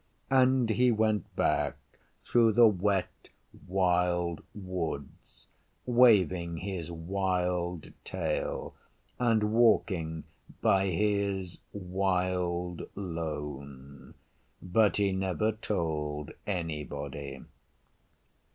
And he went back through the Wet Wild Woods, waving his wild tail and walking by his wild lone. But he never told anybody.